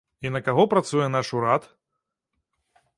І на каго працуе наш урад?